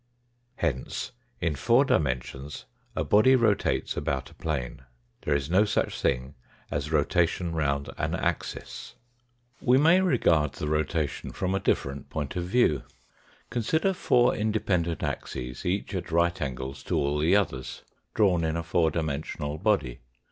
Hence in four dimensions a body rotates about a plane. There is no such thing as rotation round an axis. RECAPITULATION AND EXTENSION 211 We may regard the rotation from a different point of view. Consider four independent axes each at right angles to all the others, drawn in a four dimensional body.